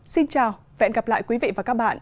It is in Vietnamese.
xin chào vẹn gặp lại quý vị và các bạn